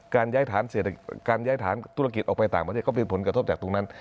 การย้ายฐานการย้ายฐานธุรกิจออกไปต่างประเทศก็เป็นผลกระทบจากตรงนั้น